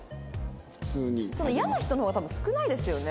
嫌な人の方が多分少ないですよね。